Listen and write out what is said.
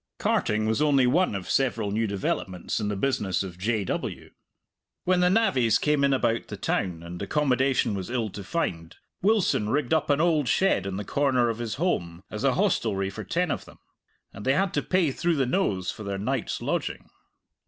Carting was only one of several new developments in the business of J. W. When the navvies came in about the town and accommodation was ill to find, Wilson rigged up an old shed in the corner of his holm as a hostelry for ten of them and they had to pay through the nose for their night's lodging.